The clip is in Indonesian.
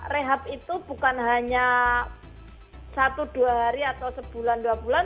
rehab itu bukan hanya satu dua hari atau sebulan dua bulan